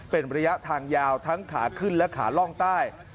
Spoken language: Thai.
เป็นระยะทางยาวทั้งขาขึ้นและขาล่องใต้